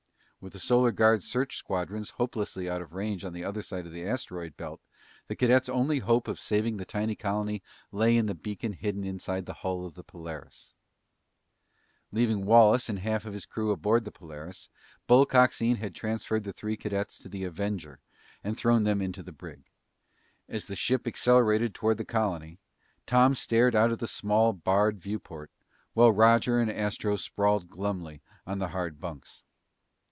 With the Solar Guard search squadrons hopelessly out of range on the other side of the asteroid belt, the cadets' only hope of saving the tiny colony lay in the beacon hidden inside the hull of the Polaris. Leaving Wallace and half of his crew aboard the Polaris, Bull Coxine had transferred the three cadets to the Avenger and thrown them into the brig. As the ship accelerated toward the colony, Tom stared out of the small, barred viewport while Roger and Astro sprawled glumly on the hard bunks.